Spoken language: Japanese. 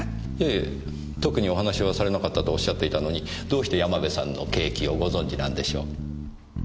いえ特にお話はされなかったとおっしゃっていたのにどうして山部さんの刑期をご存じなんでしょう？